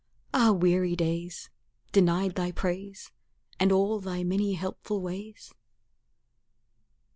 Ah, weary days, Denied thy praise And all thy many helpful ways!